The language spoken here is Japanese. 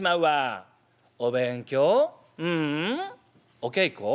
「お稽古？」。